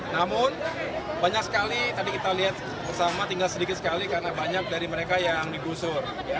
namun banyak sekali tadi kita lihat bersama tinggal sedikit sekali karena banyak dari mereka yang digusur